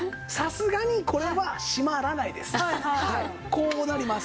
こうなります。